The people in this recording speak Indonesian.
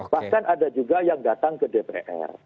bahkan ada juga yang datang ke dpr